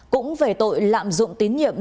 cũng về tội lạm dụng tín nhiệm